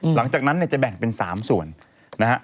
หลังจากนั้นเนี่ยจะแบ่งเป็น๓ส่วนนะฮะ